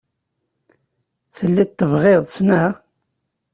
Telliḍ tebɣiḍ-tt, naɣ?